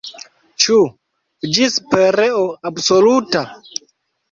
Ĉu ĝis pereo absoluta?